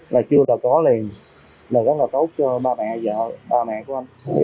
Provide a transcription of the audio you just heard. là chưa là có liền là rất là tốt cho ba mẹ vợ ba mẹ của anh